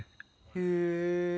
へえ。